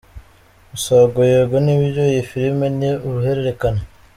Misago : Yego ni byo, iyi filimi ni uruhererekane.